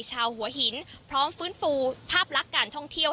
ชาวหัวหินพร้อมฟื้นฟูภาพลักษณ์การท่องเที่ยว